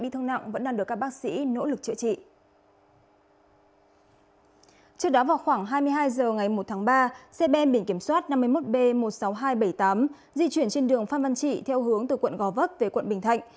trước đó vào khoảng hai mươi hai h ngày một tháng ba xe ben biển kiểm soát năm mươi một b một mươi sáu nghìn hai trăm bảy mươi tám di chuyển trên đường phan văn trị theo hướng từ quận gò vấp về quận bình thạnh